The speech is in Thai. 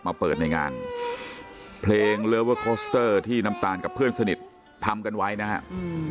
มาเปิดในงานเพลงที่น้ำตาลกับเพื่อนสนิททำกันไว้นะฮะอืม